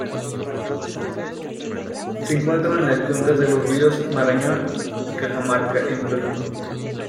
Se encuentran en las cuencas de los ríos Marañon y Cajamarca, en Perú.